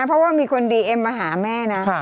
เพราะว่ามีคนดีเอ็มมาหาแม่นะ